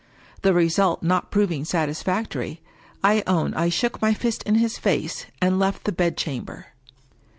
The result not proving satisfactory, I own I shook my fist in his face, and left the bedchamber.